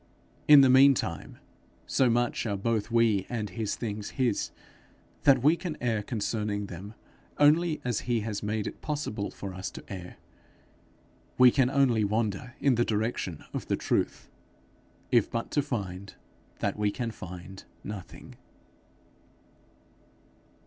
In the meantime, so much are both we and his things his, that we can err concerning them only as he has made it possible for us to err; we can wander only in the direction of the truth if but to find that we can find nothing.